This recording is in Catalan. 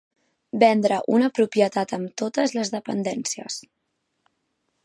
Vendre una propietat amb totes les dependències.